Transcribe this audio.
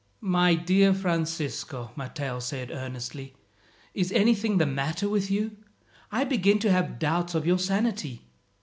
"My dear Francisco," Matteo said earnestly, "is anything the matter with you? I begin to have doubts of your sanity.